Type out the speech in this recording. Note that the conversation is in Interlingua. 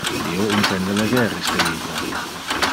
Io intende leger iste libro.